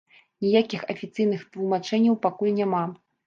Ніякіх афіцыйных тлумачэнняў пакуль няма.